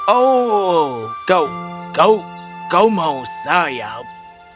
oh kau kau mau sayap